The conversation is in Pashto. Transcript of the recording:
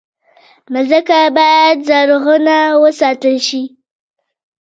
مځکه باید زرغونه وساتل شي.